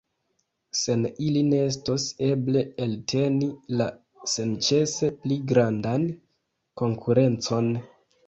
Sen ili ne estos eble elteni la senĉese pli grandan konkurencon.